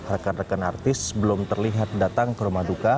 rekan rekan artis belum terlihat datang ke rumah duka